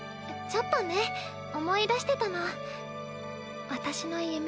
ちょっとね思い出してたの私の夢。